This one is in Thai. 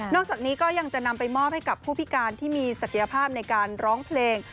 จากนี้ก็ยังจะนำไปมอบให้กับผู้พิการที่มีศักยภาพในการร้องเพลง